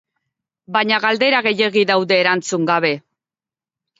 Baina galdera gehiegi daude erantzun gabe.